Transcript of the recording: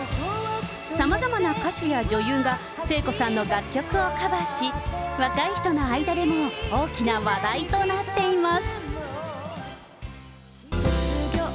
さまざまな歌手や女優が聖子さんの楽曲をカバーし、若い人の間でも大きな話題となっています。